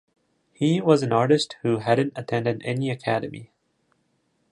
He was an artist who hadn’t attended any academy.